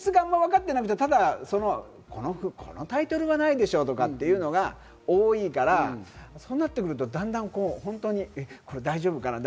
そこの本質が分かっていなくて、ただ、このタイトルはないでしょうとかっていうのが多いからそうなるとだんだん、これ大丈夫かな？